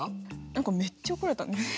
何かめっちゃ怒られたんだよね。